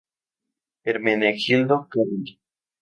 Hermenegildo Carli.